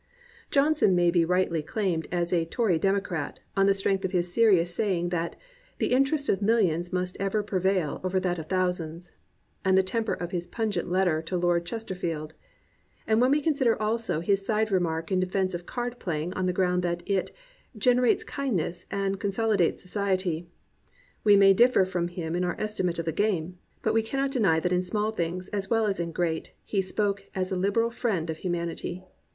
Johnson may be rightly claimed as a Tory Demo crat on the strength of his serious saying that "the interest of millions must ever prevail over that of thousands," and the temper of his pungent letter to Lord Chesterfield. And when we consider also his side remark in defense of card playing on the ground that it "generates kindness and consolidates society," we may differ from him in our estimate of the game, but we cannot deny that in small things as well as in great he spoke as a liberal friend of humanity.